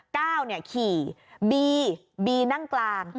ก้าวขี่บีบีนั่งกลาง